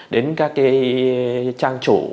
đến các trang chủ